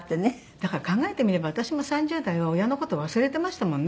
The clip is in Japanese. だから考えてみれば私も３０代は親の事忘れてましたもんね。